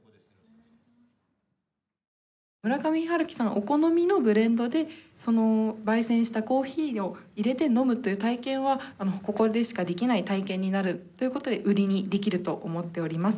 お好みのブレンドでその焙煎したコーヒーをいれて飲むという体験はここでしかできない体験になるということで売りにできると思っております